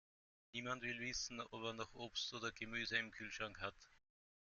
Niemand will wissen, ob er noch Obst oder Gemüse im Kühlschrank hat.